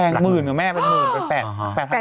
แพงหมื่นอ่ะแม่เป็นหมื่นเป็นแปลก